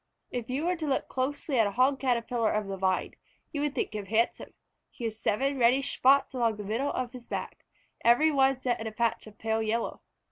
If you were to look closely at a Hog Caterpillar of the Vine, you would think him handsome. He has seven reddish spots along the middle of his back, every one set in a patch of pale yellow.